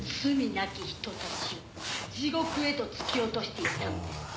なき人たちを地獄へと突き落としていったのです」